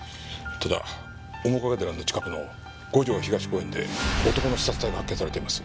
ただ面影寺の近くの五条東公園で男の刺殺体が発見されています。